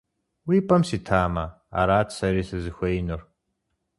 Уи пӏэм ситамэ, арат сэри сызыхуеинур.